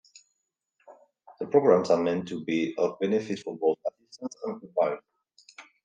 The programs are meant to be of benefit for both assistants and pupils.